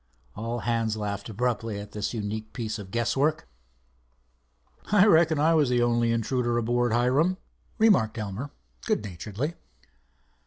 All hands laughed abruptly at this unique piece of guesswork. "I reckon I was the only intruder aboard, Hiram," remarked Elmer, good naturedly.